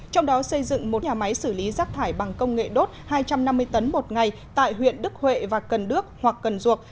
trong đó xây dựng một nhà máy xử lý rác thải bằng công nghệ đốt hai trăm năm mươi tấn một ngày tại huyện đức huệ và cần đước hoặc cần ruộc